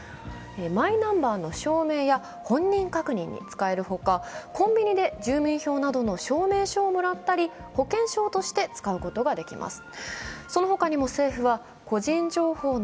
マイナンバーの証明や本人確認に使えるほか、コンビニで住民票などの証明書をもらったり保険証として使うことができます。